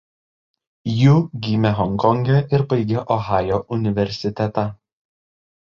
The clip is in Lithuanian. Yu gimė Honkonge ir baigė Ohajo universitetą.